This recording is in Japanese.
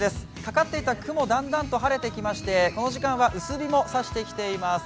かかっていた雲、だんだんと晴れてきましてこの時間は薄日もさしてきています。